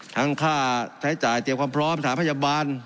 ค่าใช้จ่ายเตรียมความพร้อมสถานพยาบาล